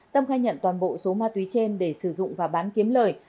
tâm khai nhận toàn bộ số ma túy trên để sử dụng và bán kiếm lời